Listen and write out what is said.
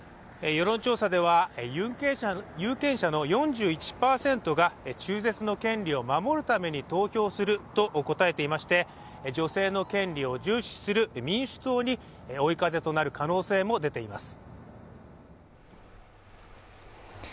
世論調査では有権者の４１％が中絶の権利を守るために投票すると答えていまして女性の権利を重視する民主党に追い風となる可能性も出ています。